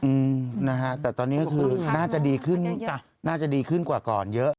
อืมนะฮะแต่ตอนนี้ก็คือน่าจะดีขึ้นกว่าก่อนเยอะ